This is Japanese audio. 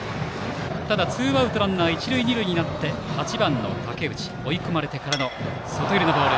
ただツーアウトランナー、一塁二塁になって８番の竹内追い込まれてから外寄りのボール。